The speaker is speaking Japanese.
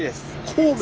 神戸。